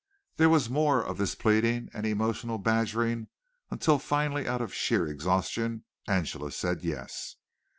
There was more of this pleading and emotional badgering until finally out of sheer exhaustion Angela said yes.